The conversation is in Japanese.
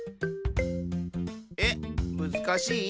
えっ？むずかしい？